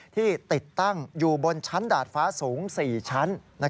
ที่ติดตั้งอยู่บนชั้นดาดฟ้าสูง๔ชั้น